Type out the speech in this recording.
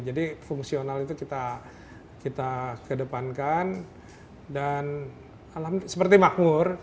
jadi fungsional itu kita kedepankan dan seperti makmur